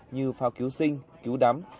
như phao cứu sinh cứu đắm